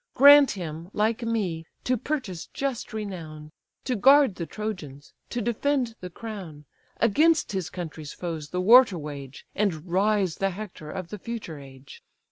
Grant him, like me, to purchase just renown, To guard the Trojans, to defend the crown, Against his country's foes the war to wage, And rise the Hector of the future age!